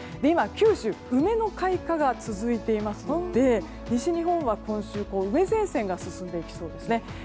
今、九州は梅の開花が続いていますので西日本は今週梅前線が進んでいきそうですね。